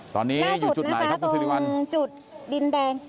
ตอนนี้อยู่จุดไหนครับคุณสิริวัลล่าสุดนะคะตรงจุดดินแดง